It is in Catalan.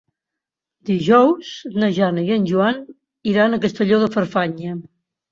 Dijous na Jana i en Joan iran a Castelló de Farfanya.